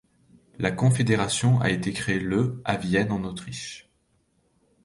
La Confédération a été créée le à Vienne en Autriche.